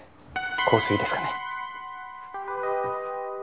香水ですかね？